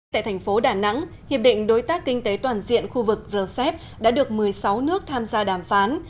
tại thành phố đà nẵng hiệp định đối tác kinh tế toàn diện khu vực rcep đã được một mươi sáu nước tham gia đàm phán